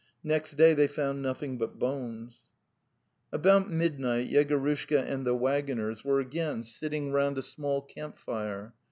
. Next day they found nothing but bones." About midnight Yegorushka and the waggoners 244 The Tales of Chekhov were again sitting round'a small camp fire.